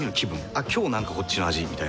「あっ今日なんかこっちの味」みたいな。